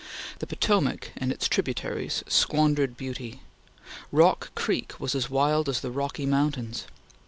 The Potomac and its tributaries squandered beauty. Rock Creek was as wild as the Rocky Mountains.